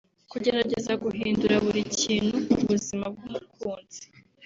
Kugerageza guhindura buri kintu ku buzima bw’umukunzi